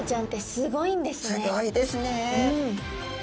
すギョいですね。